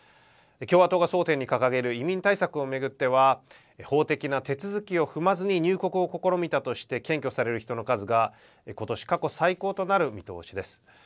共和党が争点に掲げる移民対策を巡っては法的な手続きを踏まずに入国を試みたとして検挙される人の数が今年過去最高となる見通しです。